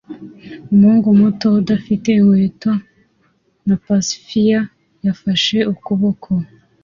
Umuhungu muto udafite inkweto na pacifier yafashe ukuboko